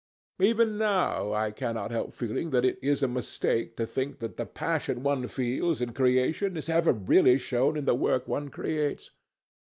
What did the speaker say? Even now I cannot help feeling that it is a mistake to think that the passion one feels in creation is ever really shown in the work one creates.